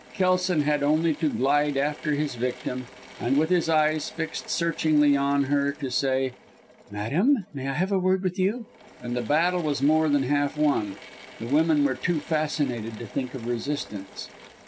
Kelson had only to glide after his victim, and with his eyes fixed searchingly on her, to say, "Madam, may I have a word with you?" and the battle was more than half won the women were too fascinated to think of resistance.